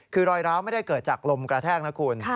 คือรอยร้าวไม่ได้เกิดจากลมกระแทกนะคุณ